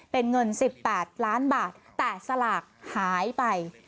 เป็นเงิน๑๘ล้านบาทแต่สลากหายไป